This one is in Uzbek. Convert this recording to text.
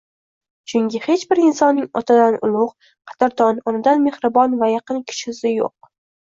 Chunki hech bir insonning otadan ulug‘, qadrdon, onadan mehribon va yaqin kishisi yuq